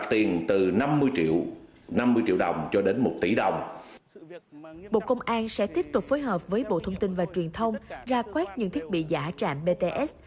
quỹ ban sẽ tiếp tục phối hợp với bộ thông tin và truyền thông ra quét những thiết bị giả trạm bts